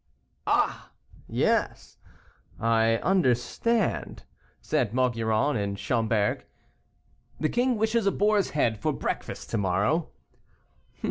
"Ah! yes, I understand," said Maugiron and Schomberg. "The king wishes a boar's head for breakfast to morrow."